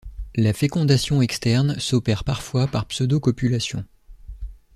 La fécondation externe s'opère parfois par pseudocopulation.